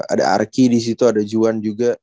ada arki di situ ada juan juga